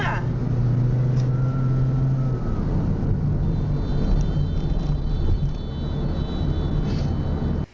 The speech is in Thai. อ่า